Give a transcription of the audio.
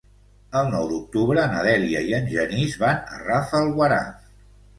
El nou d'octubre na Dèlia i en Genís van a Rafelguaraf.